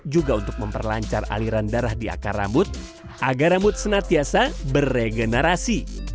juga untuk memperlancar aliran darah di akar rambut agar rambut senantiasa beregenerasi